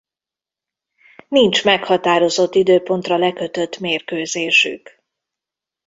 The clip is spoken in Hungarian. Nincs meghatározott időpontra lekötött mérkőzésük.